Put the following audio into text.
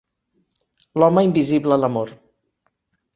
L'home invisible a l'amor.